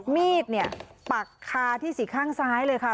มีดเนี่ยปักคาที่สี่ข้างซ้ายเลยค่ะ